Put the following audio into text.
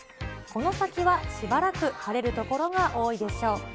この先はしばらく晴れる所が多いでしょう。